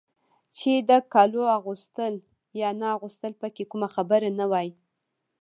چې د کالو اغوستل یا نه اغوستل پکې کومه خبره نه وای.